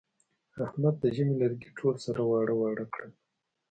احمد د ژمي لرګي ټول سره واړه واړه کړل.